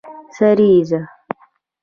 سریزه